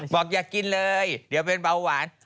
บอกอย่ากินเลยเดี๋ยวเป็นเบาหวาน